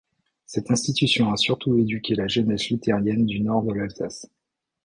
Cette institution a surtout éduqué la jeunesse luthérienne du Nord de l'Alsace.